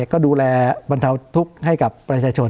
ก็ดูแลบรรเทาทุกข์ให้กับประชาชน